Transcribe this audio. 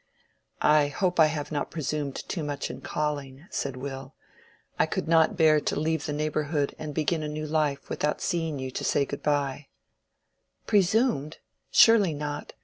"I hope I have not presumed too much in calling," said Will; "I could not bear to leave the neighborhood and begin a new life without seeing you to say good by." "Presumed? Surely not.